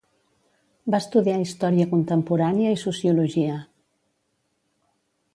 Va estudiar història contemporània i sociologia.